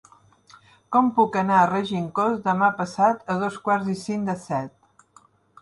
Com puc anar a Regencós demà passat a dos quarts i cinc de set?